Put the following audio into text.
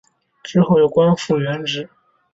之后又恢复官职。